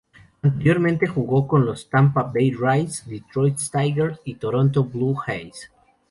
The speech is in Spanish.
Anteriormente jugó con los Tampa Bay Rays, Detroit Tigers y Toronto Blue Jays.